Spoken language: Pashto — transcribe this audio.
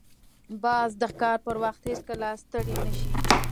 باز د ښکار پر وخت هیڅکله ستړی نه شي